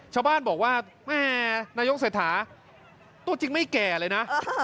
ชาวบ้านบอกว่าแม่นายกเศรษฐาตัวจริงไม่แก่เลยนะ